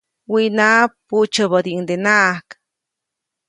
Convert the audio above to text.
Wiʼnaʼa, puʼtsyäbädiʼuŋdenaʼajk.